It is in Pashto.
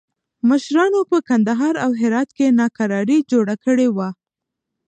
مشرانو په کندهار او هرات کې ناکراري جوړه کړې وه.